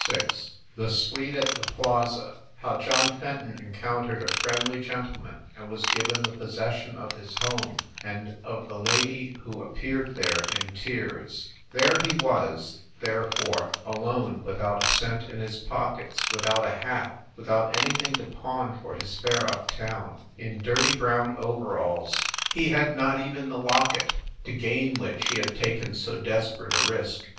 VI THE SUITE AT THE PLAZA HOW JOHN FENTON ENCOUNTERED A FRIENDLY GEN TLEMAN AND WAS GIVEN THE POSSESSION OF HIS HOME AND OF THE LADY WHO AP PEARED THERE IN TEARS THERE he was, therefore, alone, without a cent in his pockets, without a hat, without any thing to pawn for his fare up town in dirty brown overalls. He had not even the locket to gain which he had taken so desperate a risk.